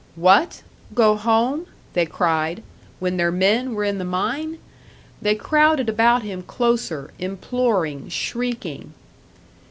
What? Go home? they cried. When their men were in the mine? They crowded about him closer, imploring, shrieking.